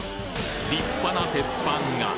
立派な鉄板が！